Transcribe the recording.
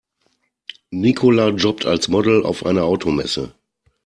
Nicola jobbt als Model auf einer Automesse.